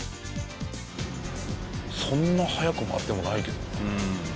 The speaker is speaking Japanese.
そんな速く回ってもないけどね。